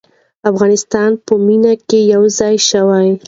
د افغانستان په مینه کې یو ځای شو.